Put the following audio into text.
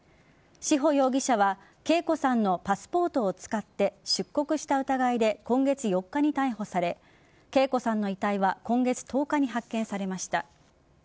志穂容疑者は啓子さんのパスポートを使って出国した疑いで今月４日に逮捕され啓子さんの遺体は今月１０日に発見されました。